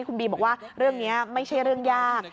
คุณบีบอกว่าเรื่องนี้ไม่ใช่เรื่องยาก